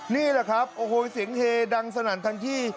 นี่แหละครับโอ้โหเสียงเฮดังสนั่นทั้งที่